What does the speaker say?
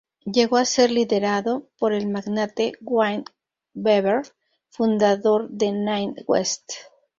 Llegó a ser liderado por el magnate Wayne Weaver, fundador de Nine West.